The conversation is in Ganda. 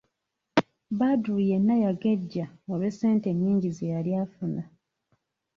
Badru yenna yagejja olw'essente ennyingi ze yali afuna.